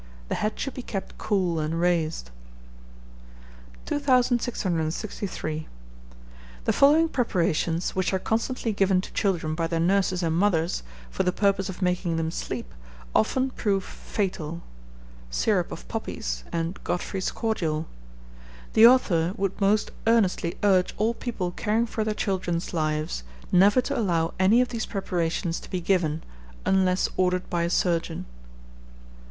The head should be kept cool and raised. 2663. The following preparations, which are constantly given to children by their nurses and mothers, for the purpose of making them sleep, often prove fatal: Syrup of Poppies, and Godfrey's Cordial. The author would most earnestly urge all people caring for their children's lives, never to allow any of these preparations to be given, unless ordered by a surgeon.